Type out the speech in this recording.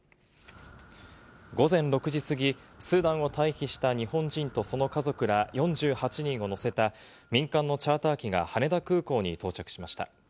午前６時過ぎ、スーダンを退避した日本人とその家族ら４８人を乗せた民間のチャーター機が、羽田空港に到着しました。